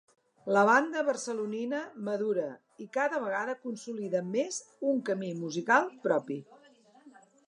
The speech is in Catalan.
La banda barcelonina madura i cada vegada consolida més un camí musical propi.